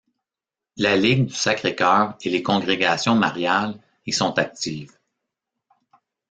La ligue du Sacré-Cœur et les congrégations mariales y sont actives.